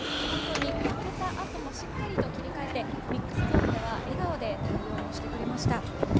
本当に負けたあともしっかりと切り替えてミックスゾーンでは笑顔で対応もしてくれました。